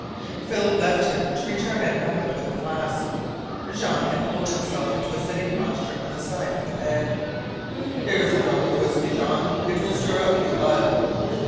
Philip left him, to return in a moment with a flask. Jean had pulled himself to a sitting posture on the side of the bed. "Here's a drop of whisky, Jean. It will stir up your blood."